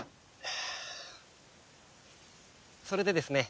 それでですね